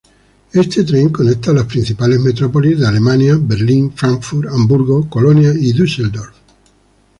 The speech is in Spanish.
Este tren conecta las principales metrópolis de Alemania: Berlín, Frankfurt, Hamburgo, Colonia y Düsseldorf.